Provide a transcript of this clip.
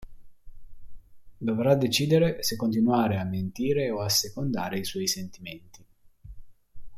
Dovrà decidere se continuare a mentire o assecondare i suoi sentimenti.